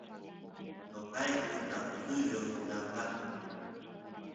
noqayku tapusuysh lloksinapaq